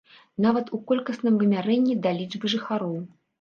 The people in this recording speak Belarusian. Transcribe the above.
Нават у колькасным вымярэнні да лічбы жыхароў.